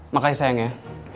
makasih sayang ya